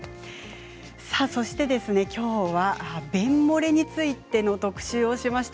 そして、きょうは便もれについて特集をしました。